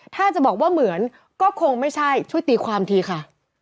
ถ้าจะบอกว่าเหมือนก็คงไม่ใช่ช่วยตีความทีค่ะ